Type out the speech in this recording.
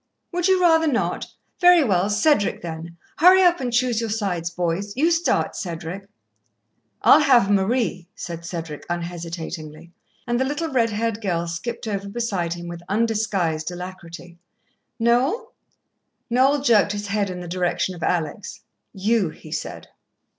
"Would you rather not? Very well. Cedric, then. Hurry up and choose your sides, boys. You start, Cedric." "I'll have Marie," said Cedric unhesitatingly, and the little red haired girl skipped over beside him with undisguised alacrity. "Noel?" Noel jerked his head in the direction of Alex. "You," he said.